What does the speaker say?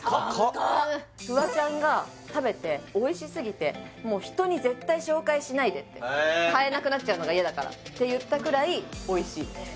フワちゃんが食べておいしすぎてもう人に絶対紹介しないでって買えなくなっちゃうのが嫌だからって言ったくらいおいしいです